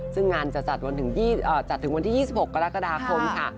ซึ่งงานจะจัดถึงวันที่๒๖กรกฎาคมค่ะ